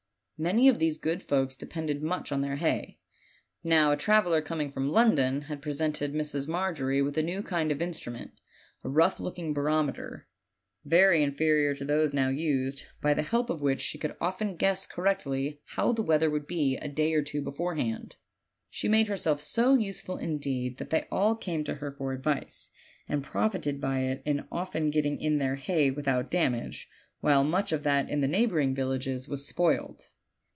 Many of these good folks depended much on their hay. Now, a traveler coming from London had presented Mrs. Margery with a new kind of instrument, a rough looking barometer, ;ery inferior to those now used, by the help of which s le could often guess cor rectly how the weather would be a day or two before hand. She made herself so useful, indeed, that they all came to her for advice, and profited by it in often get ting in their hay without damage, while much of that in the neighboring villages was spoiled.